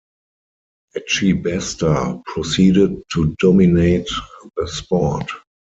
Etchebaster proceeded to dominate the sport.